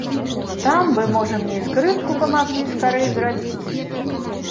Там бы, можа, мне і скрыпку памаглі скарэй зрабіць.